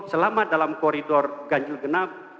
selama dalam koridor ganjil genap